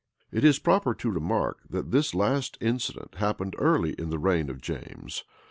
It is proper to remark that this last incident happened early in the reign of James.